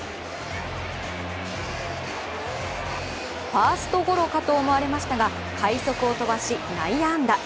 ファーストゴロかと思われましたが、快速を飛ばし内野安打。